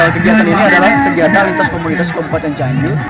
kegiatan ini adalah kegiatan lintas komunitas kabupaten cianjur